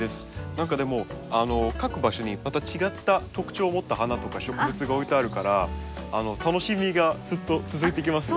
何かでも各場所にまた違った特徴を持った花とか植物が置いてあるから楽しみがずっと続いていきますね。